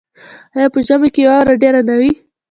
آیا په ژمي کې واوره ډیره نه وي؟